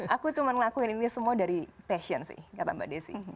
aku cuma ngelakuin ini semua dari passion sih gak apa mbak desi